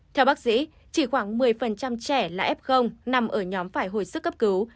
theo bác sĩ chỉ khoảng một mươi trẻ là f nằm ở nhóm phải hồi sức cấp cứu